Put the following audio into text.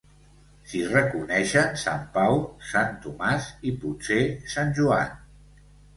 S'hi reconeixen Sant Pau, Sant Tomàs i potser Sant Joan.